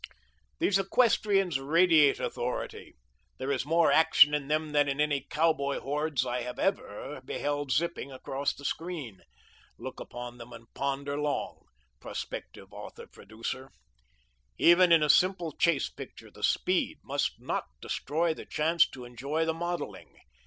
These equestrians radiate authority. There is more action in them than in any cowboy hordes I have ever beheld zipping across the screen. Look upon them and ponder long, prospective author producer. Even in a simple chase picture, the speed must not destroy the chance to enjoy the modelling.